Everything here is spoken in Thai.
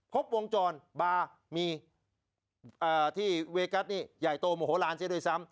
พบวงจรบาร์มีที่เวกัสนี่ใหญ่โตโมโหลานซะด้วยซ้ำ